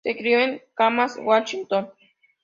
Se crio en Camas, Washington.